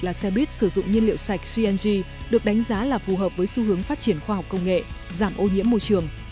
các môi trường đặc biệt là xe buýt sử dụng nhiên liệu sạch cng được đánh giá là phù hợp với xu hướng phát triển khoa học công nghệ giảm ô nhiễm môi trường